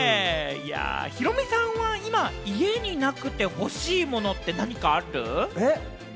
ヒロミさんは今、家になくて、欲しいものって何かある？